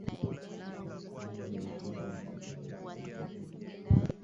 Dalili za ugonjwa wa minyoo kwa mbuzi ni kuvimba taya